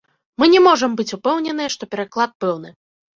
Мы не можам быць упэўненыя, што пераклад пэўны.